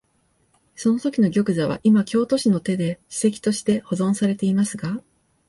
そのときの玉座は、いま京都市の手で史跡として保存されていますが、